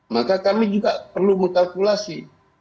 maka kami juga perlu mengkalkulasi